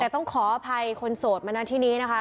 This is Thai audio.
แต่ต้องขออภัยคนโสดมานะที่นี้นะคะ